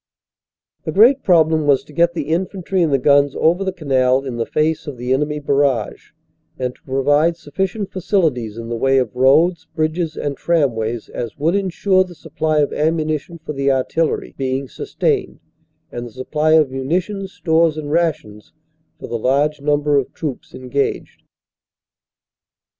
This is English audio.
The great problem was to get the infantry and the guns over the canal in the face of the enemy barrage, and to provide sufficient facilities in the way of roads, bridges and tramways as would ensure the supply of ammunition for the artillery being sustained, and the supply of munitions, stores and rations for the large number of troops engaged.